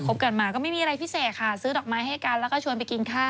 กันมาก็ไม่มีอะไรพิเศษค่ะซื้อดอกไม้ให้กันแล้วก็ชวนไปกินข้าว